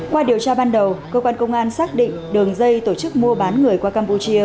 qua điều tra ban đầu cơ quan công an xác định đường dây tổ chức mua bán người qua campuchia